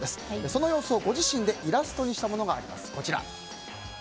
その様子をご自身でイラストにしたものがあります。